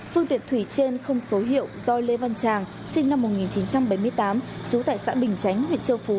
phương tiện thủy trên không số hiệu do lê văn tràng sinh năm một nghìn chín trăm bảy mươi tám trú tại xã bình chánh huyện châu phú